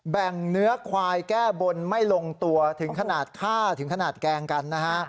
เนื้อควายแก้บนไม่ลงตัวถึงขนาดฆ่าถึงขนาดแกล้งกันนะฮะ